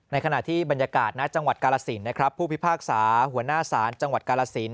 ขณะที่บรรยากาศณจังหวัดกาลสินนะครับผู้พิพากษาหัวหน้าศาลจังหวัดกาลสิน